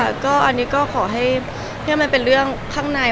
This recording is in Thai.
ไม่ค่ะก็อันนี้ก็ขอให้เพียงว่ามันเป็นเรื่องข้างใน